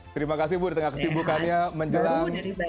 terima kasih bu di tengah kesibukannya menjelang